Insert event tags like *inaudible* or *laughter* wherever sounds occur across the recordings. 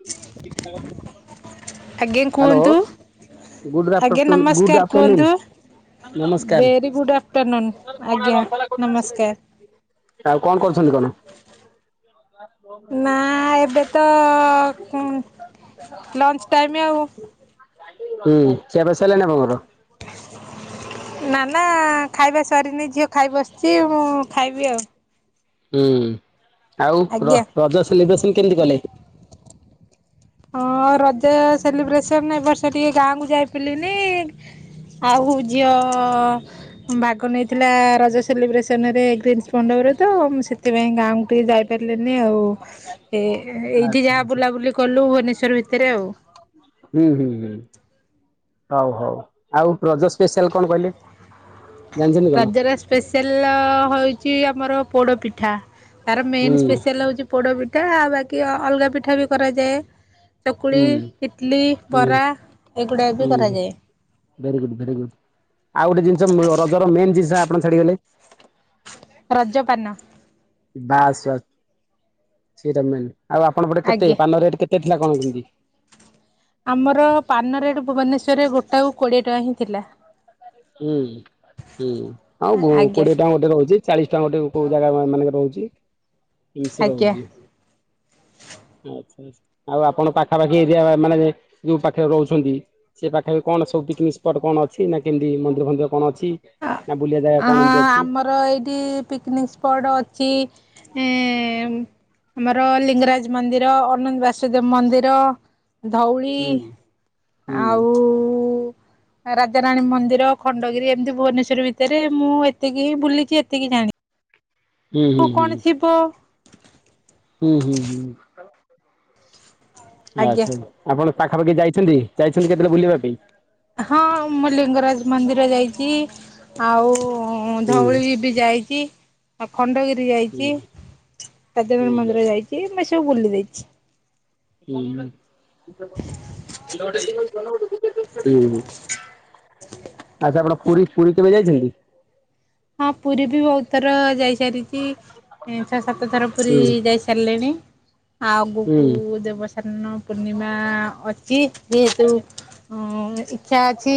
*unintelligible* ଆଜ୍ଞା ହ୍ୟାଲୋ କୁହନ୍ତୁ। ଗୁଡ ଆଜ୍ଞା ଆଫ୍ଟରନୁନ ଗୁଡ୍ ନମସ୍କାର ଆଫ୍ଟରନୁନ କୁହନ୍ତୁ। ନମସ୍କାର। Very good afternoon. ଆଜ୍ଞା ନମସ୍କାର। ଆଉ କଣ କରୁଛନ୍ତି କଣ? ନା ଏବେ ତ କଣ ଲଞ୍ଚ ଟାଇମ୍ ଆଉ ହୁଁ ଖିଆ ପିଆ ସଇଲାଣି ଆପଣଙ୍କର? ନା ନା ଖାଇବା ସରିନି, ଝିଅ ଖାଇ ବସିଚି ମୁଁ ଖାଇବି ଆଉ। ହୁଁ। ଆଉ ର ଆଜ୍ଞା ରଜ ସେଲିବ୍ରେସନ କେମିତି କଲେ? ହଁ ରଜ ସେଲିବ୍ରେସନ ଏ ବର୍ଷ ଟିକେ ଗାଁ କୁ ଯାଇପାରିଲିନି। ଆଉ ଝିଅ ଭାଗ ନେଇଥିଲା ରଜ ସେଲିବ୍ରେସନ ରେ ଗ୍ରୀନ୍ସ ପଣ୍ଡପରେ ତ ମୁଁ ସେଥିପାଇଁ ଗାଁକୁ ଟିକେ ଯାଇ ପାରିଲିନି ଆଉ। ଏ ଏଇଠି ଆଚ୍ଛା ଯାହା ଆଚ୍ଛା। ବୁଲାବୁଲି କଲୁ ଭୁବନେଶ୍ଵର ଭିତରେ ଆଉ। ହୁଁ ହୁଁ ହୁଁ। ହଉ ହଉ। ଆଉ ରଜ ସ୍ପେଶାଲ କଣ କହିଲେ? ଜାଣିଛନ୍ତି କଣ? ରଜ ର ସ୍ପେଶାଲ ହଉଚି ଆମର ପୋଡ଼ପିଠା। ତାର ହୁଁ ମେନ୍ ସ୍ପେଶାଲ ହଉଚି ପୋଡ଼ପିଠା ଆଉ ବାକି ଅଲଗା ପିଠା ବି କରାଯାଏ। ହୁଁ ଚକୁଳି, ଇଟଲି, ହୁଁ ବରା ଏଗୁଡ଼ା ବି ହୁଁ କରାଯାଏ। Very good very good. ଆଉ ଗୋଟେ ଜିନିଷ ରଜର ମେନ୍ ଜିନିଷ ଆପଣ ଛାଡିଗଲେ। ରଜ ପାନ। ବାସ୍ ବାସ୍ ସେଇଟା ମେନ୍ ଆଉ ଆପଣ ପଟେ କେତେ ଆଜ୍ଞା ପାନ ରେଟ କେତେ ଥିଲା କଣ କେମତି? ଆମର ପାନ ରେଟ୍ ଭୁବନେଶ୍ୱରରେ ଗୋଟାକୁ କୋଡ଼ିଏ ଟଙ୍କା ହିଁ ଥିଲା। ଉଁ ହୁଁ ଆଉ ଗୋ ଆଜ୍ଞା କୋଡ଼ିଏ ଟଙ୍କା ଗୋଟେ ରହୁଚି। ଚାଳିଶ ଟଙ୍କା ଗୋଟେ କୋଉ ଜାଗାମା ମାନଙ୍କ ରହୁଛି ଏମିସେ ଆଜ୍ଞା ରହୁଚି। ଆଚ୍ଛା ଆଉ ଆପଣ ପାଖାପାଖି ଏରିଆ ମାନେ ଯୋଉ ପାଖରେ ରହୁଛନ୍ତି ସେ ପାଖରେ କଣ ସବୁି ପିକନିକ୍ ସ୍ପଟ୍ କଣ ଅଛି ନାଁ କେମିତି ମନ୍ଦିର ଫନ୍ଦିର କଣ ଅଛି ହଁ ନା ବୁଲିବା ଜାଗା କଣ ଏମିତି ଅଛି? ଆମର ଏଇଠି ପିକନିକ୍ ସ୍ପଟ୍ ଅଛି ଏଁ ଆମର ଲିଙ୍ଗରାଜ ମନ୍ଦିର, ଅନନ୍ତ ବାସୁଦେବ ମନ୍ଦିର, ଧଉଳି। ହୁଁ ହୁଁ ଆଉ ରାଜରାଣୀ ମନ୍ଦିର ଖଣ୍ଡଗିରି ଏମିତି ଭୁବନେଶ୍ୱର ଭିତରେ ମୁଁ ଏତିକି ହିଁ ବୁଲିଚି ଏତିକି ଜାଣି ହୁଁ ହୁଁ ଉ ହୁଁ। କଣ ଥିବ। ହୁଁ, ହୁଁ, ହୁଁ। ଆଜ୍ଞା ଆଚ୍ଛା ଆପଣ ପାଖାପାଖି ଯାଇଛନ୍ତି, ଯାଇଛନ୍ତି କେତେଳେ ବୁଲିବା ପାଇଁ? ହଁ ମୁଁ ଲିଙ୍ଗରାଜ ମନ୍ଦିର ଯାଇଚି। ଆଉ ଉଁ ହୁଁ ଧଉଳି ବି ଯାଇଚି। ଆଉ ଖଣ୍ଡଗିରି ହୁଁ ଯାଇଚି, ରାଜା ରାଣୀ ହୁଁ ମନ୍ଦିର ଯାଇଚି, ଏମି ସବୁ ବୁଲି ଦେଇଚି। ଉଁ ହୁଁ ଆଚ୍ଛା ଆପଣ ପୁରୀ ପୁରୀ କେବେ ଯାଇଛନ୍ତି? ହଁ ପୁରୀ ବି ବହୁତ ତର ଯାଇ ସାରିଚି। ଏଁ ଛଅ ସାତ ଥର ପୁରୀ ହୁଁ ଯାଇ ସାରଲେଣି। ଆଗୁକୁ ହୁଁ। ଦେବ ହାନ ପୂର୍ଣିମା ଅ ଚି ଯେହେତୁ ଉଁ ଇଚ୍ଛା ଅଛି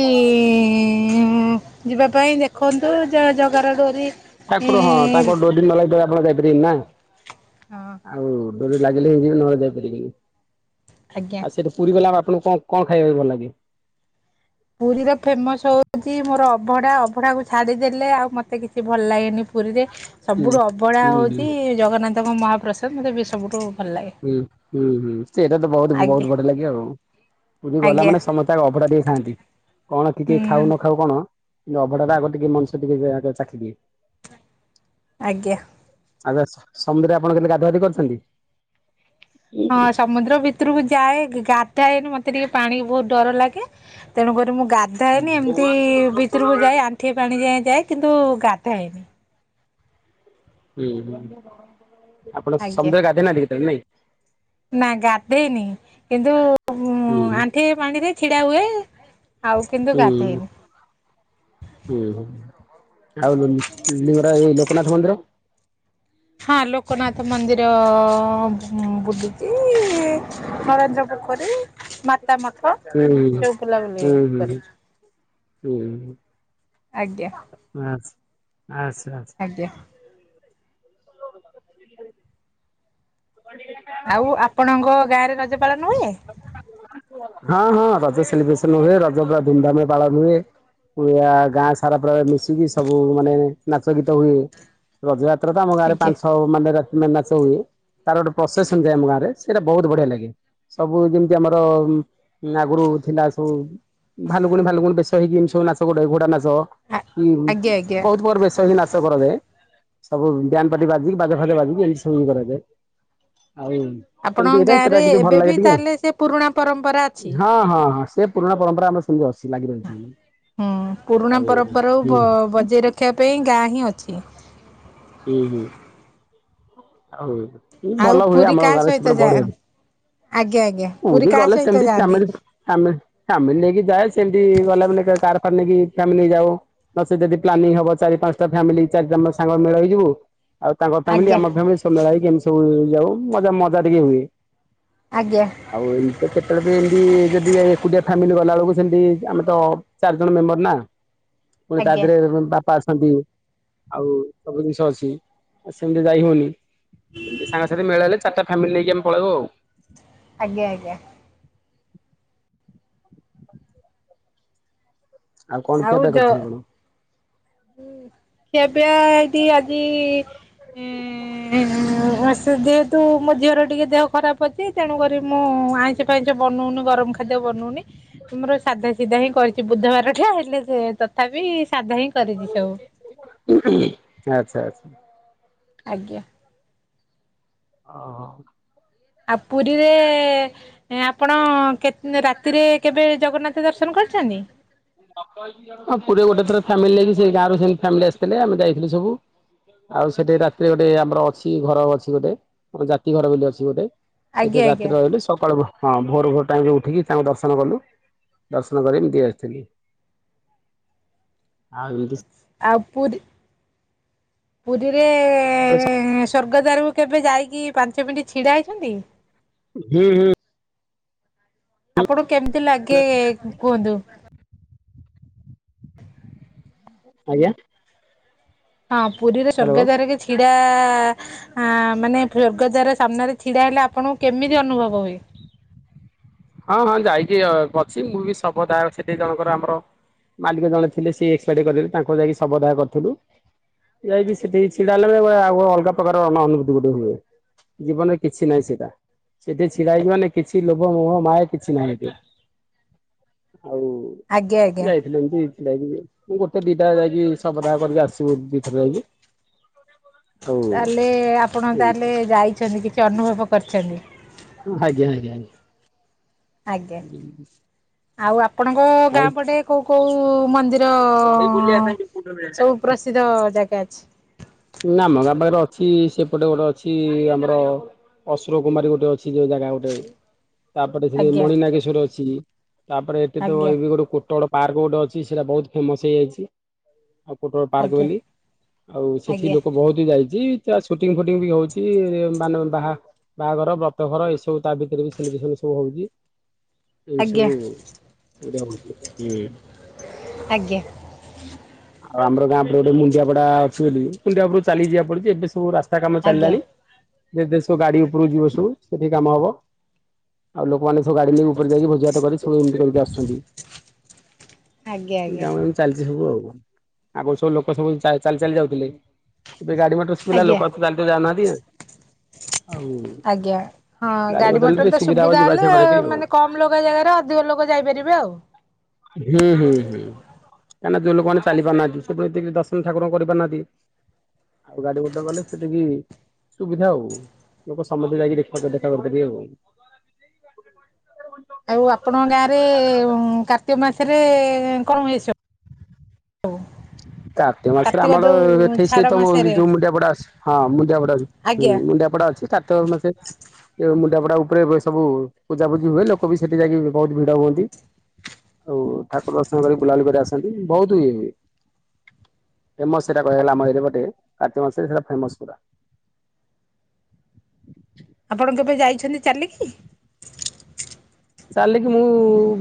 ଇଁ ଯିବା ପାଇଁ ଦେଖନ୍ତୁ ଜ ଜଗାର ଡୋରି ଇଁ ଅଦି ନ ଲାଗିଥିଲା। ନ ଯାଇ ପାରି ନା। ହଁ। ଆଉ ଡୋରି ଲାଗିଲେ ହିଁ ଯିବି ନହେଲେ ଯାଇ ପାରିବିନି। ଆଜ୍ଞା। ଆ ସେଠୁ ପୁରୀ ଗଲେ ଆଉ ଆପଣୁ କଁ କଣ ଖାଇବା ପାଇଁ ଭଲ ଲାଗେ? ପୁରୀରେ ଫେମସ ହଉଚି ମୋର ଅଭଡ଼ା। ଅଭଡ଼ାକୁ ଛାଡ଼ିଦେଲେ ଆଉ ମତେ କିଛି ଭଲ୍ ଲାଗେନେଇ ପୁରୀରେ। ହୁଁ ସବୁଠୁ ଅବଢ଼ା ହୁଁ ହୁଁ ହଉଚି ଜଗନ୍ନାଥଙ୍କ ମହାପ୍ରସାଦ। ମୋତେ ବି ସବୁଠୁ ଭଲ ଲାଗେ। ହୁଁ ହୁଁ ହୁଁ ସେଇଟା ତ ବହୁତ ଆଜ୍ଞା ବହୁତ ବଢ଼ିଆ ଲାଗିଅ ଆଉ। ପୁରୀ ଗଲା ଆଜ୍ଞା ମାନେ ସମ ତାଗ ଅଭଡ଼ା ଟିକେ ଖାଆନ୍ତି କଣ କି କେ ହୁଁ। ଖାଉ ନ ଖାଉ କଣ ଅଭଡ଼ାଟା ଆଗ ଟିକେ ମଣିଷ ଟିକେ ଯେ ଆଗ ଚାଖିଦିଏ। ଆଜ୍ଞା। ଆଚ୍ଛା ସ ସମୁଦ୍ରରେ ଆପଣ କେଲେ ଗାଧୁଆ ଗାଧି କରିଛନ୍ତି? ହଁ ସମୁଦ୍ର ଭି ତୁରୁକୁ ଯାଏ ଗାଧାଏନି। ମତେ ଟିକେ ପାଣି ବହୁତ୍ ଡର ଲାଗେ। ତେଣୁକରି ମୁଁ ଗା ଧାଏନି ହୁଁ ଏମତି ଭିତୁରୁକୁ ଯାଏ ଆଣ୍ଠିଏ ପାଣି ଯାଏଁ ଯାଏ କିନ୍ତୁ ଗାଧାଏନି। ଉଁ ହୁଁ। ଆପଣ ଆଜ୍ଞା। ସମୁଦ୍ରରେ ଗାଧେଇ ନାହାନ୍ତି କେତଳେ ନାଇଁ? ନା ଗାଧେଇନି କିନ୍ତୁ ଉଁ ହୁଁଁ। ଆଣ୍ଠିଏ ପାଣିରେ ଛିଡ଼ା ହୁଏ। ଆଉ କିନ୍ତୁ ହୁଁ। ଗାଧେଇନି। ହୁଁ, ହୁ, ଆଉ ଲି ଲିଙ୍ଗରା, ଏଇ ଲୋକନାଥ ମନ୍ଦିର? ହଁ, ଲୋକନାଥ ମନ୍ଦିର ବୁଲୁଚି, ଇ ଇ। ନରେନ୍ଦ୍ର ପୋଖରୀ, ମାତା ମଠ, ଏମିତି ସବୁ ବୁଲା ବୁଲି। ହୁଁ, ହୁଁ, ହୁଁ। ହୁଁ ହୁଁ। ଆଜ୍ଞା। ଆସ୍, ଆସ୍ ଆସ୍। ଆଜ୍ଞା। *unintelligible* ଆଉ, ଆପଣଙ୍କ ଗାଁରେ ରଜ ପାଳନ ହୁଏ? ହଁ, ହଁ, ରଜ ସେଲିବ୍ରେସନ ହୁଏ। ରଜ ପୁରା ଧୁମଧାମ୍ ରେ ପାଳନ ହୁଏ। ପୂରା, ଗାଁ ସାରା ପୂରା ମିଶିକି ସବୁ ମାନେ, ନାଚ ଗୀତ ହୁଏ। ରଜଯାତ୍ରା ତ, ଆମ ଗାଁରେ ଆଜ୍ଞା ପାଞ୍ଚ ଛ ମାନେ ରା ନାଚ ହୁଏ, ତାର ଗୋଟେ ପ୍ରସେସନ୍ ଯାଏ ଆମ ଗାଁରେ। ସେଟା ବହୁତ ବଢିଆ ଲାଗେ। ସବୁ ଯେମିତି ଆମର, ଆଗରୁ ଥିଲା ସବୁ ଭାଲୁକୁଣି ଫାଲୁକୁଣି ବେଶ ହେଇକି, ଏମ୍ ତି ସବୁ ନାଚ ଗୋଡ଼େ, ଘୋଡା ନାଚ ଆ ହୁଁ, ହୁଁ, ଆଜ୍ଞା ଆଜ୍ଞା ବହୁତ୍ ବଡ଼ ବେଶ ହେଇ ନାଚ କରାଯାଏ। ସବୁ ବ୍ୟାଣ୍ଡ୍ ପାଟି ବାଜିକି, ବାଜା ଫାଜା ବାଜିକି, ଏମିତି ସବୁ କରାଯାଏ। ଆଉ ଆପଣଙ୍କ ସେମତି ଏଇଟା, ସେଟା ଗାଁରେ ଟିକେ ଏବେ ଭଲ ବି ଲାଗେ। ଟିକେ ତାହେଲେ ସେ ପୁରୁଣା ପରମ୍ପରା ଅଛି। ହଁ ହଁ ହଁ, ସେ ପୁରୁଣା ପରମ୍ପରା ଆମ ସ ଫୁଲ୍ ରସି ଲାଗି ରହିଚି ଇ, ହୁଁ ପୁରୁଣା ଆଉ ପରମ୍ପରାକୁ ବ ହୁଁ *unintelligible* ଗାଁ ହିଁ ଅଛି। ହୁଁ ହୁଁ, ଆଉ ଆଉ ଭଲ ହୁଏ ପୁରୀ ଆମ କାହା ଗାଁରେ ସହିତ ସେପଟେ ଯା ବଢିଆନି, ଆଜ୍ଞା ଆଜ୍ଞା ମୁଁ ପୁରୀ ବି କାହା ଗଲେ ସହିତ ସେମତି ଫାମି ଯାଆନ୍ତି? ଫାମି, ଫାମିଲି ନେଇକି ଯାଏ, ସେମିତି ଗଲାବେ କାର ଫାର ନେଇକି ଫାମିଲି ଯାଉ। ନ ସେ ଯଦି ପ୍ଲାନିଂ ହବ ଚାରି ପାଞ୍ଚଟା ଫାମିଲି, ଚାରିଟା ପାଞ୍ଚ ସାଙ୍ଗ ମେଳ ହେଇ ଯିବୁ, ଆଉ ତାଙ୍କ ଫ୍ୟାମିଲି, ଆଜ୍ଞା ଆମ ଫ୍ୟାମିଲି, ସବୁ ମେଳ ହେଇକି ଏମତି ସବୁ ଯାଉ, ମଜା ମଜା ଟିକେ ହୁଏ। ଆଜ୍ଞା। ଆଉ ଏମତି ତ କେତେବେଳେ ବି ଏମିତି ଯଦି ଏକୁଟିଆ ଫ୍ୟାମିଲି ଗଲାବେେଳକୁ, ସେମିତି ଆମେ ତ ଚାରି ଜଣ ମେମ୍ବର ନା, ପୁଣି ତା ଆଜ୍ଞା ଦେହରେ ବାପା ଅଛନ୍ତି, ଆଉ ସବୁ ଜିନିଷ ଅଛି, ଆଉ ସେମିତି ଯାଇ ହଉନି, ଏମିତି ସାଙ୍ଗସାଥି ମେଳହେଲେ ଚାରିଟା ଫାମିଲି ନେଇକି ଆମେ ପଳେଇବୁ ଆଉ। ଆଜ୍ଞା ଆଜ୍ଞା। କଣ ଆଉ ଖିଆପିଆ ଦ କରିଛନ୍ତି କଣ? ହୁଁ, ଖିଆପିଆ ଏଇଠି ଆଜି ଇ ଏଁ ଏଁ ଏଁ, ସେ ଯେହେତୁ ମୋ ଝିଅର ଟିକେ ଦେହ ଖରାପ ଅଛି, ତେଣୁକରି ମୁଁ ଆଇଁସ ଫାଇଁସ ବନଉନୁ, ଗରମ ଖାଦ୍ୟ ବନଉନି, ଆମର ସାଧା ସିଧା ହିଁ କରିଛି ବୁଧବାର ଠୁ ହେଲେ, ସେ ତଥାପି ସାଧା ହିଁ କରିଚି ସବୁ। ଆଛା ଆଛା। ଆଜ୍ଞା। ଅ ହ। ଆ ପୁରୀରେ ଏ ଏ ଆପଣ କେ ରାତିରେ କେବେ ଜଗନ୍ନାଥ ଦର୍ଶନ କରିଚନ୍ତି? ହଁ, ପୁରୀରେ ଗୋଟେ ଥର ଫାମିଲି ନେଇକି, ସେ ଗାଁ ରୁ ସେମ ଫାମିଲି ଆସିଥିଲେ, ଆମେ ଯାଇଥିଲୁ ସବୁ। ଆଉ ସେଠି ରାତିରେ ଗୋଟେ ଆମର ଅଛି ଘର ଅଛି ଗୋଟେ, ଜାତି ଘର ବୋଲି ଅଛି ଗୋଟେ। ସେଠି ଆଜ୍ଞା ଆଜ୍ଞା ରାତିରେ ରହିଲେ ସକାଳୁ ହଁ ଭୋର ଭୋର ଟାଇମରେ ଉଠିକି ତାଙ୍କ ଦର୍ଶନ କଲୁ, ଦର୍ଶନ କରି ଏମିତି ଆସିଥିଲି। ଆଉ ଏମତି ଆଉ ପୁରୀ ପୁରୀରେ ଆଛା ସ୍ୱର୍ଗଦ୍ୱାର କୁ କେବେ ଯାଇକି, ପାଞ୍ଚ ମିନିଟ୍ ଛିଡ଼ା ହେଇଛନ୍ତି? ହୁଁ ହୁଁ। ଆପଣଙ୍କୁ କେମିତି ଲାଗେ କୁହନ୍ତୁ। ଆଜ୍ଞା ହଁ ପୁରୀରେ ହ୍ୟାଲୋ। ସ୍ଵର୍ଗଦ୍ୱାର କିଛି ଛିଡ଼ା ମାନେ ସ୍ୱର୍ଗଦ୍ୱାର ସାମ୍ନାରେ ଛିଡ଼ା ହେଲେ ଆପଣଙ୍କୁ କେମିତି ଅନୁଭବ ହୁଏ? ହଁ ହଁ ଯାଇକି ଅଛି, ମୁଁ ବି ଶବ ଦାହ ସେଠି ଜଣଙ୍କର ଆମର ମାଲିକ ଜଣେ ଥିଲେ, ସେ ଏକ୍ସପାର୍ଡ କରିଦେଲେ ତାଙ୍କୁ ଯାଇକି ଶବଦାହ କରିଥିଲୁ। ଯାଇକି ସେଠି ଛିଡା ହେଲେ ଅଲଗା ପ୍ରକାର ଅନୁଭୂତି ଗୋଟେ ହୁଏ। ଜୀବନରେ କିଛି ନାହିଁ ସେଇଟା, ସେଠି ଛିଡା ହେଇଯିବ ମାନେ କିଛି ଲୋଭ ମୋହ ମାୟା କିଛି ନାହିଁ ଆଜ୍ଞା, ଆଉ ଆଜ୍ଞା ଆଜ୍ଞା। ଥିଲୁ ଏମତି ଛିଡ଼ା ହେଇକି, ଗୋଟେ ଦିଟା ଯାଇକି ସବଦାହ କରିକି ଆସିବୁ ଦିଥର ଯାଇକି। ହ ତାହେଲେ ଆପଣ ତାହେଲେ ଯାଇଛନ୍ତି କିଛି ଅନୁଭବ କରିଛନ୍ତି। ଆଜ୍ଞା ଆଜ୍ଞା ଆଜ୍ଞା। ଆଜ୍ଞା ହୁଁ। ଆଉ ଆପଣଙ୍କ ଗାଁ ପଟେ କୋଉ କୋଉ ମନ୍ଦିର ସବୁ ପ୍ରସିଦ୍ଧ ଜାଗା ଅଛି? ଆମ ଗାଁ ପାଖରେ ଅଛି ସେପଟେ ଗୋଟେ ଅଛି ଆମର ଅସୁର କୁମାରୀ ଗୋଟେ ଅଛି ଯୋଉ ଜାଗା ଗୋଟେ। ତାପରେ ସେଠ ଆଜ୍ଞା ମଣିନାଗେଶ୍ଵର ଅଛି, ତାପରେ ଏଠି ତ ଆଜ୍ଞା ଏବେ ଗୋଟେ କୋଟଳ ପାର୍କ ଗୋଟେ ଅଛି ସେଇଟା ବହୁତ ଫେମସ୍ ହେଇଯାଇଛି, ଆଉ କୋଟଲ ପାର୍କ ଆଜ୍ଞା ବୋଲି, ଆଉ ସେ ପା ଆଜ୍ଞା ବହୁତ ଯାଇଛି, ତା ସୁଟିଂ ଫୁଟିଂ ବି ହଉଛି ମାନେ ବାହା ବାହାଘର ବ୍ରତ ଘର ଏଇ ସବୁ ତା ଭିତରେ ବି ସେଲିବ୍ରେସନ ସବୁ ହଉଛି। ଏଇ ଆଜ୍ଞା ସବୁ *unintelligible* ଆଜ୍ଞା ଆଉ ଆମର ଗାଁରେ ଗୋଟେ ମୁଣ୍ଡିଆ ପଡା ଅଛି ବୋଲି, ମୁଣ୍ଡିଆ ପରୁ ଚାଲି ଯିବା ପଡୁଛି ଏବେ ସବୁ ରାସ୍ ତା କାମ ଆଜ୍ଞା ଆଜ୍ଞା ଚାଲିଲାଣି ଯେ ଦେ ସୁ ଗାଡି ଉପରକୁ ଯିବ ସବୁ ସେଠି କାମ ହବ। ଆଉ ଲୋକମାନେ ସବୁ ଗାଡି ନେଇି ଉପରେ ଯାଇକ ଭୋଜି ଭାତ କରି ସବୁ ଏମିତି କରିକି ଆୁସୂଛନ୍ତି। ଆଜ୍ଞା ଆଜ୍ଞା ଗାଁଉଲି ରେ ଚାଲିଛି ସବୁ ଆଉ, ଆଗରୁ ସବୁ ଲୋକ ସବୁ ଚାଲି ଚାଲି ଯାଉଥିଲେ। ଏବେ ଗାଡି ମୋଟର ସୁବିଧା ଆଜ୍ଞା ଲୋକ ଆଉ ଚାଲି ଚାଲି ଯାଉ ନାହାନ୍ତି। ଆଜ୍ଞା, ହଁ ଗାଡି ହେଲେ ମଟର ଟିକେ ତ ହବ ସୁବିଧା ଯିବା ହେଲା ଆସିବା କରିବା ପାଇଁ ଆଉ। ମାନେ କମ କମ୍ ଲୋକ ଜାଗାରେ ଅଧିକ ଲୋକ ଯାଇପାରିବେ ଆଉ। ହୁଁ ହୁଁ ହୁଁ। କାହିଁକନା ଯଉ ଲୋକମାନେ ଚାଲି ପାରୁହାନ୍ତି ସବୁ ଏତିକି ଦର୍ଶନ ଠାକୁରଙ୍କୁ କରିପାରୁ ନାହାନ୍ତି। ଆଉ ଗାଡି ଗୋଟେ ଗଲେ ସେଠିକି ସୁବିଧା ଆଉ, ଲୋକ ସମସ୍ତେ ଯାଇକି ଦେଖା ଦେଖା କରିଦେବି ଆଉ। ଆଉ ଆପଣଙ୍କ ଗାଁରେ କାର୍ତ୍ତିକ ମାସରେ କଣ ହୁଏ ସବ୍ କାର୍ତିକ ମାସରେ କାର୍ତ୍ତିକ ଆମର ଯୋଉ ଏଠ ଛାଡ ସେ ତମ ମାସରେ ଯୋଉ ମୁଣ୍ଡିଆ ପଡା ଅଛି ହଁ ମୁଣ୍ଡିଆ ପଡାଛି। ହୁଁ, ଆଜ୍ଞା ମୁଣ୍ଡାପଡା ଅଛି, କାଟ ମୋ ସେ ଏ ମୁଣ୍ଡାପଡା ଉପରେ ବେ- ସବୁ ପୂଜାପୁଜିି ହୁଏ, ଲୋକ ବି ସେଠି ଯାଇକି ବହୁତ ଭିଡ ହୁଅନ୍ତି। ଆଉ ଠାକୁର ଦର୍ଶନ କରି ବୁଲାବୁଲି କରି ଆସନ୍ତି ବହୁତ ଇଏ ହୁଏ। ଫେମସ୍ ସେଟା କହିବାକୁ ଗଲେ ଆମ ଏରିଆର ଗୋଟେ କାର୍ତ୍ତିକ ମାସ ରେ ସେଟା ଫେମସ୍ ପୁରା। ଆପଣ କେବେ ଯାଇଛନ୍ତି ଚାଲିକି? ଚାଲିକିି ମୁଁ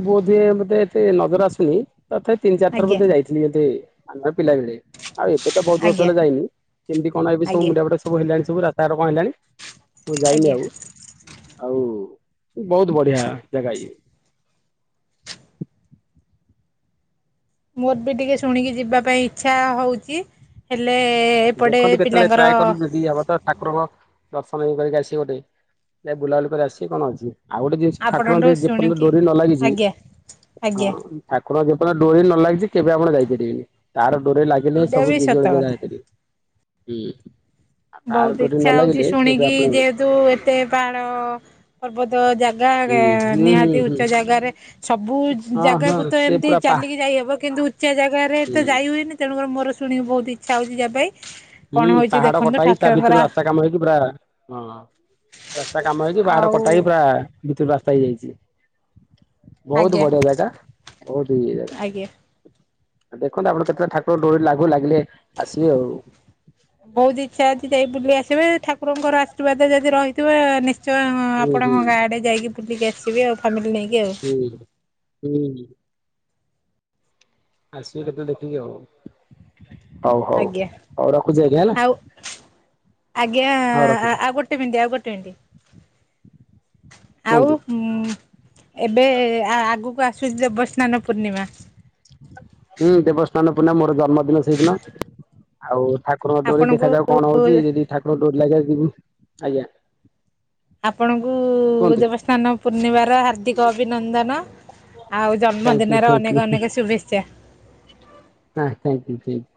ବୋଧେ ଏବେ ତ ମୋତେ ଏତେ ନଜର ଆସୁନି। ତଥାପି ତିନି ଚାର ଥର ମୁଁ ଆଜ୍ଞା ତ ଯାଇଛି। *unintelligible* ଆମର ପିଲା ବେଳେ, ଆଉ ଏବେ ତ ବହୁତ ବର୍ଷ ଆଜ୍ଞା ହେଲା ଯାଇନି। କେମିତି କଣ ଏବେ ସବୁ ଆଜ୍ଞା ମୁଣ୍ଡା ପଟା ସବୁ ହେଲାଣି ସବୁ ରାସ୍ତାଘାଟ କଣ ହେଲାଣି, ମୁଁ ଯାଇନି ଆଜ୍ଞା। ଆଉ। ଆଉ ବହୁତ ବଢିଆ ଜାଗା ଇଏ। ମୋର ବି ଟିକେ ଶୁଣିକି ଯିବା ପାଇଁ ଇଚ୍ଛା ହଉଚି। ହେଲେ ଏପଟେ ପିଲାଙ୍କର ଫ୍ରି ହବ ତ ଠାକୁରଙ୍କ ଦର୍ଶନ ଇଏ କରିକି ଆସିବ ଟେ, ଯାଅ ବୁଲାବୁଲି କରି ଆସିବେ କଣ ଅଛି? ଆଉ ଗୋଟେ ଜିନିଷ ଠାକୁରଙ୍କ ଆପଣଙ୍କଠୁ ଯଦି ଯେପର୍ଯ୍ୟନ୍ତ ଶୁଣିକି ଡୋରି ନ ଲାଗିଛି, ଆଜ୍ଞା ହଁ ଆଜ୍ଞା ଠାକୁରଙ୍କ ଯେପର୍ଯ୍ୟନ୍ତ ଡୋରି ନ ଲାଗିଛି କେବେ ଆପଣ ଯାଇପାରିବେନି। ତାର ଡୋରି ଲାଗିଲେ ଏଇଟା ସବୁ ବି ଯିଏ ଯୁଆଡ ସତ କୁ କଥା। ଯାଇପାରିବେ। ଉଁ, ବହୁତ ଇଚ୍ଛା ହଉଛି ଶୁଣିକି ଆପଣ ହୁଁ ଯେହେତୁ ଏତେ ପାଆଡ ପର୍ବତ ଜାଗା ହୁଁ ହୁଁ ଦେ-ନିହାତି ହୁଁ ଉଚ୍ଚ ଜାଗାରେ ସବୁ ହଁ ହଁ ଜାଗାକୁ ତ ସେ ଏମିତି ପୁରା ପା ଚାଲିକି ଯାଇହବ କିନ୍ତୁ ଉଚ୍ଚା ଜାଗାରେ ହୁଁ ତ ଯାଇ ହୁଏନି। ତେଣୁ ମୋର ଶୁଣିକି ବହୁତ ଇଚ୍ଛା ହଉଛି ଯିବା ପାଇଁ। କଣ ହୁଁ, ହଉଛି ପାହାଡ ଦେଖନ୍ତୁ କଟା ହେଇକି ତା ଠାକୁରଙ୍କର ଭିତରୁ ରାସ୍ତା କାମ ହେଇକି ପୁରା ହଁ ରାସ୍ତା କାମ ହେଇକି ପାହାଡ ଆଉ କଟା ହେଇିକି ପୁରା ଭିତରୁ ରାସ୍ତା ହେଇଯାଇଚି। ବହୁତ ଆଜ୍ଞା ବଢିଆ ଜାଗା, ବହୁତ ଇଏ ଜାଗା। ଆଜ୍ଞା ଆ, ଦେଖନ୍ତୁ ଆପଣ କେତେଳେ ଠାକୁର ଡୋରି ଲାଗୁ ଲାଗିଲେ ଆସିବେ ଆଉ। ବହୁତ ଇଚ୍ଛା ଅଛି ଯାଇ ବୁଲି ଆସିବା ଠାକୁରଙ୍କର ଆର୍ଶୀବାଦ ଯଦି ରହିଥିବ ନିଶ୍ ଚ ହଁ ହୁଁ ହୁଁ ଆପଣଙ୍କ ଗାଁ ଆଡ଼େ ଯାଇକି ବୁଲିକି ଆସିବେ ଆଉ ଫ୍ୟାମିଲି ନେଇକି ଆଉ। ହୁଁ, ହୁଁ। ଆସିବେ କେତେଳେ ଦେଖିକି ଆଉ। ହଉ ହଉ ଆଜ୍ଞା ହଉ ରଖୁଛି ଆଜ୍ଞା ଆଉ ଆଜ୍ଞା ହଁ ରଖୁଛି। ଆଉ ଗୋଟେ ମିନଟି ଆଉ ଗୋଟେ ମିନଟି ଆଉ କୁହନ୍ତୁ ହୁଁ, ଏବେ ଆ, ଆଗୁକୁ ଆସୁଚି ଦେବସ୍ନାନ ପୂର୍ଣ୍ଣିମା। ହୁଁ, ଦେବସ୍ନାନ ପୁର୍ଣ୍ଣିମା ମୋର ଜନ୍ମଦିନ ସେଇଦିନ। ଆଉ ଠାକୁରଙ୍କ ଡୋରି ଆପଣଙ୍କୁ ଦେଖାଯାଉ କଣ ହଉଚି, ଯଦି ଠାକୁର ଡୋରି ଲାଗେ ଯିବି ଆଜ୍ଞା। ଆପଣଙ୍କୁ କୁହନ୍ତୁ ଦେବସ୍ନାନ ପୂର୍ଣ୍ଣିମାର ହାର୍ଦ୍ଦିକ ଅଭିନନ୍ଦନ। ଆଉ ଥ୍ୟାଙ୍କ ୟୁ ଜନ୍ମଦିନର ଥ୍ୟାଙ୍କ ୟୁ ଅନେକ ଅନେକ ଶୁଭେଚ୍ଛା। ହାଁ ଥ୍ୟାଙ୍କ୍ ୟୁ ଥ୍ୟାଙ୍କ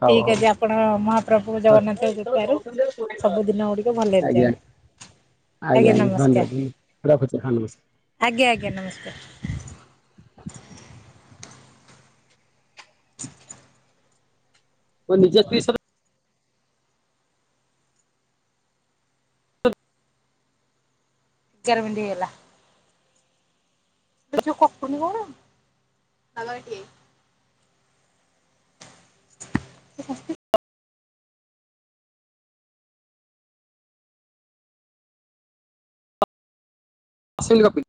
ହଉ ଠିକ୍ ହଉ ହୋ ଅଛି ଆପଣ ମହାପ୍ରଭୁ ଆଜ୍ଞା। ଜଗନ୍ନାଥଙ୍କ କୃପାରୁ ସବୁ ଦିନ ଗୁଡ଼ିକ ଭଲରେ *inaudible* ଯାଉ ଆଜ୍ଞା, ଆଜ୍ଞା ଧନ୍ୟବାଦ ଧନ୍ୟ ମୁଁ ରଖୁଚି ହଁ ନମସ୍ ଆଜ୍ଞା ଆଜ୍ଞା ନମସ୍କାର *inaudible* *inaudible* ତୋ ନିଜ ସ୍ତ୍ରୀ ସବ ଏଗାର ମିନଟି ହେଇଗଲା। ଏ ଯୋଉ କଟୁନି କଣ? *inaudible* ଆସିକି ରଖି